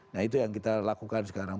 nah itu yang kita lakukan sekarang